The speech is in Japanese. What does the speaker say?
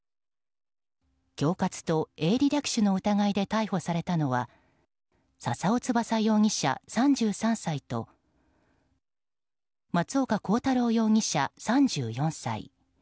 恐喝と営利略取の疑いで逮捕されたのは笹尾翼容疑者、３３歳と松岡洸太郎容疑者、３４歳。